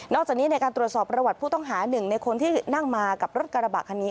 จากนี้ในการตรวจสอบประวัติผู้ต้องหาหนึ่งในคนที่นั่งมากับรถกระบะคันนี้